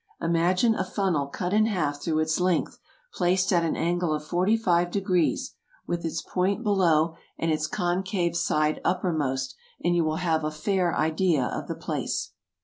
Imagine a funnel cut in half through its length, placed at an angle of forty five degrees, with its point 218 TRAVELERS AND EXPLORERS below and its concave side uppermost, and you will have a fair idea of the place.